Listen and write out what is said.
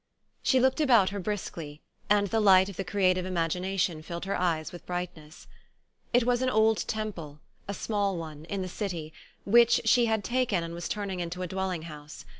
She looked about her briskly, and the light of the creative imagination filled her eyes with brightness. It was an old temple, a small one, in the city, which she had taken and was turning into a dwell ing house.